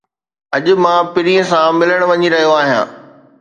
اڄ مان پرينءَ سان ملڻ وڃي رھيو آھيان.